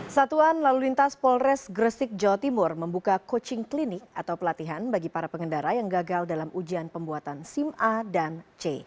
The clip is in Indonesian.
satuan lalu lintas polres gresik jawa timur membuka coaching klinik atau pelatihan bagi para pengendara yang gagal dalam ujian pembuatan sim a dan c